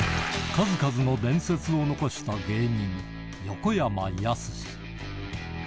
数々の伝説を残した芸人、横山やすし。